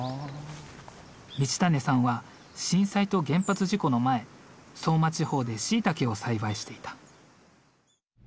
行胤さんは震災と原発事故の前相馬地方でしいたけを栽培していた。